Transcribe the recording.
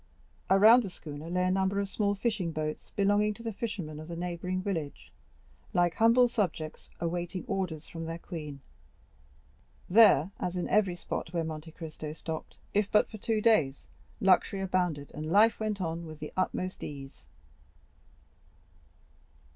Around the schooner lay a number of small fishing boats belonging to the fishermen of the neighboring village, like humble subjects awaiting orders from their queen. There, as in every spot where Monte Cristo stopped, if but for two days, luxury abounded and life went on with the utmost ease.